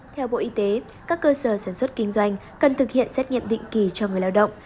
theo bộ y tế các cơ sở sản xuất kinh doanh cần thực hiện xét nghiệm định kỳ cho người lao động